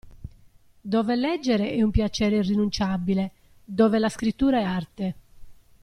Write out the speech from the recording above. Dove leggere è un piacere irrinunciabile, dove la scrittura è arte.